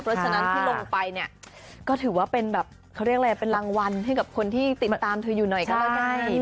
ว่าฉะนั้นคือลงไปเนี้ยก็ถือว่าเป็นแบบเขาเรียกยังไงเป็นรางวัลที่แบบคนที่ติดตามเธออยู่หน่อยก็ละกัน